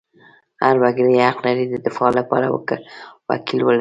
هر وګړی حق لري د دفاع لپاره وکیل ولري.